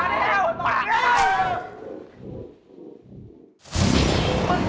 น้องชมพูไม่ต้องเป็นห่วงนะครับ